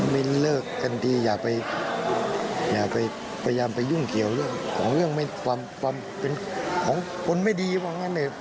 ไม่เลิกกันทีอย่าไปพยายามไปยุ่งเกี่ยวเรื่องความเป็นของคนไม่ดีบางอย่างนั้นเลย